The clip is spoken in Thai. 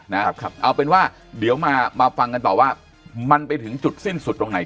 นะครับครับเอาเป็นว่าเดี๋ยวมามาฟังกันต่อว่ามันไปถึงจุดสิ้นสุดตรงไหน